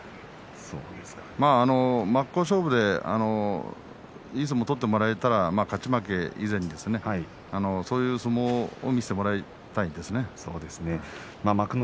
真っ向勝負でいい相撲を取ってくれたら勝ち負け以前にそういう相撲を見せてもらいたいんですよ。